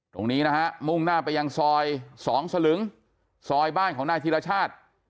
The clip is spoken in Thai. ตรงนี้นะฮะมุ่งหน้าไปยังซอยสองสลึงซอยบ้านของนายธิรชาติ